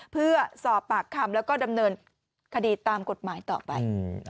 เพื่อสอบปากคำแล้วก็ดำเนินคดีตามกฎหมายต่อไป